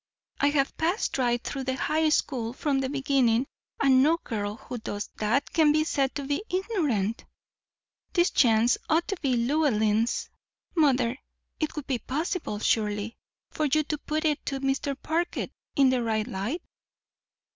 I have passed right through the high school from the beginning, and no girl who does that can be said to be ignorant. This chance ought to be Llewellyn's. Mother, it would be possible, surely, for you to put it to Mr. Parker in the right light?"